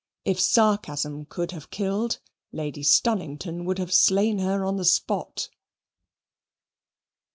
If sarcasm could have killed, Lady Stunnington would have slain her on the spot.